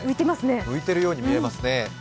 浮いてるように見えますね。